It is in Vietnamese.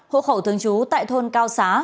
hộ khẩu thường trú tại thôn cao xá